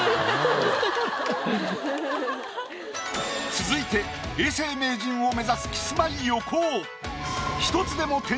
続いて永世名人を目指すキスマイ横尾。